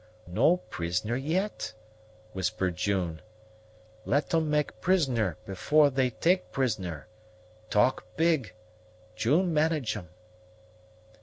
"No prisoner yet," whispered June; "let 'em make prisoner before 'ey take prisoner talk big; June manage 'em."